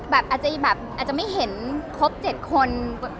แบบอาจจะไม่เห็นครบเจ็ดคน